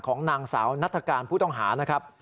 ของนางสาวนัฐกาลผู้ต้องหานะครับ